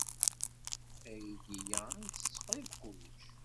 Aydi-a itett qrib kullec.